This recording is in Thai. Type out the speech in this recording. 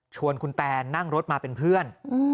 ชวนคุณแตนนั่งรถมาเป็นเพื่อน